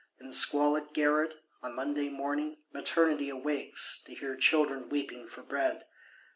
In squalid garret, on Monday morning, Maternity awakes, to hear children weeping for bread.